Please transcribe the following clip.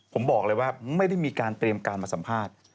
ผมบอกเลยว่าไม่ได้มีการเตรียมการมาสัมภาษณ์